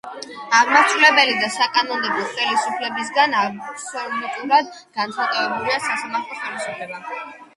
აღმასრულებელი და საკანონმდებლო ხელისუფლებისგან აბსოლუტურად განცალკევებულია სასამართლო ხელისუფლება.